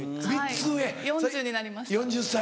４０になりました。